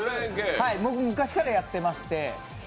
僕、昔からやってまして。